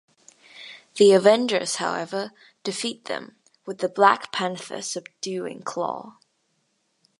The Avengers, however, defeat them, with the Black Panther subduing Klaw.